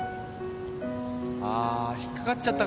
あ引っ掛かっちゃったか